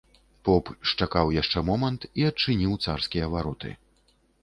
Поп счакаў яшчэ момант і адчыніў царскія вароты.